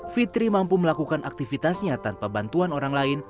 fitri mampu melakukan aktivitasnya tanpa bantuan orang lain